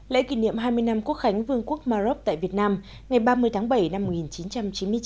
lễ kỷ niệm hai mươi năm quốc khánh vương quốc maroc tại việt nam ngày ba mươi tháng bảy năm một nghìn chín trăm chín mươi chín